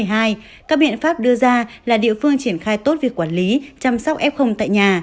các biện pháp đưa ra là địa phương triển khai tốt việc quản lý chăm sóc f tại nhà